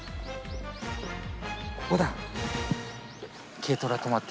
ここだ。